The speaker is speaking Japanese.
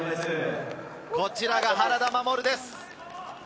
こちらが原田衛です。